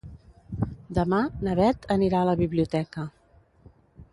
Demà na Beth anirà a la biblioteca.